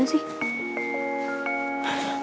ya sudah pak